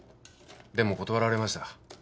でも断られました。